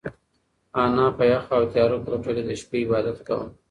انا په یخه او تیاره کوټه کې د شپې عبادت کاوه.